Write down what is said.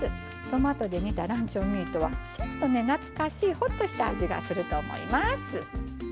トマトで煮たランチョンミートはちょっとね懐かしいホッとした味がすると思います。